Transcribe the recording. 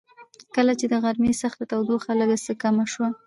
کله چې د غرمې سخته تودوخه لږ څه کمه شوه.